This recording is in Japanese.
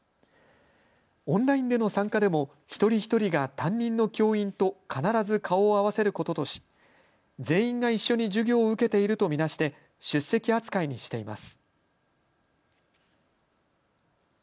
オンラインでの参加でも一人一人が担任の教員と必ず顔を合わせることとし全員が一緒に授業を受けていると見なして出席扱いにしています。